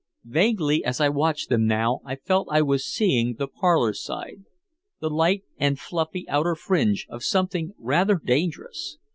Vaguely as I watched them now I felt I was seeing the parlor side, the light and fluffy outer fringe, of something rather dangerous.